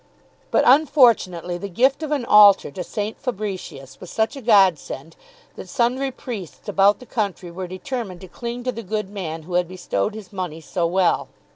But unfortunately the gift of an altar to St. Fabricius was such a godsend that sundry priests about the country were determined to cling to the good man who had bestowed his money so well.